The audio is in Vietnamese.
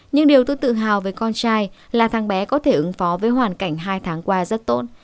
nhưng điều tôi tự hào với con trai là tháng bé có thể ứng phó với hoàn cảnh hai tháng qua rất tốt